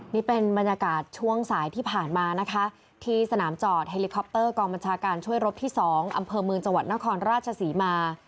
นี่เป็นบรรยากาศช่วงสายที่ผ่านมานะคะที่สนามจอดเฮลิคอปเตอร์กองบัญชาการช่วยรบที่๒อำเภอเมืองจังหวัดนครราชศรีมา